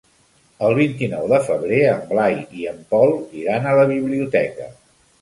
El vint-i-nou de febrer en Blai i en Pol iran a la biblioteca.